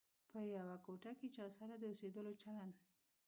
په یوه کوټه کې چا سره د اوسېدلو چلند.